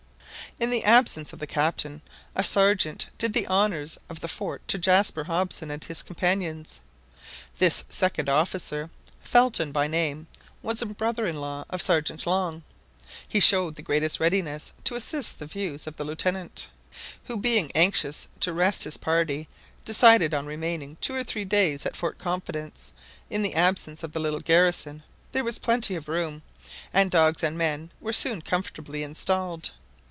In the absence of the Captain a Sergeant did the honours of the fort to Jaspar Hobson and his companions. This second officer, Felton by name was a brother in law of Sergeant Long. He showed the greatest readiness to assist the views of the Lieutenant, who being anxious to rest his party, decided on remaining two or three days at Fort Confidence. In the absence of the little garrison there was plenty of room, and dogs and men were soon comfortably installed.